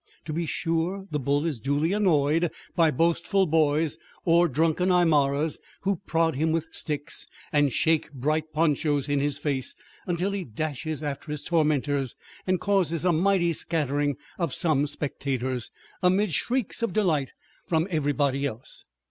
To be sure, the bull is duly annoyed by boastful boys or drunken Aymaras, who prod him with sticks and shake bright ponchos in his face until he dashes after his tormentors and causes a mighty scattering of some spectators, amid shrieks of delight from everybody else.